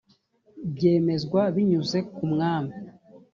byemezwa binyuze ku mwami